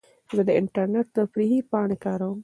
زه د انټرنیټ تفریحي پاڼې کاروم.